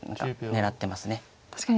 狙ってますか。